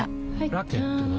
ラケットは？